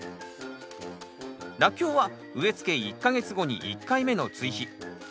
ラッキョウは植え付け１か月後に１回目の追肥。